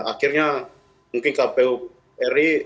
akhirnya mungkin kpu ri